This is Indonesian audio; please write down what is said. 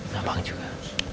nah bang juga